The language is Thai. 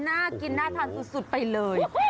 น่ากินน่าทานสุดไปเลย